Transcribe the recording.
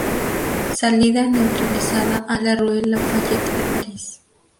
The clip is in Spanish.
Salida neutralizada a la rue Lafayette de París.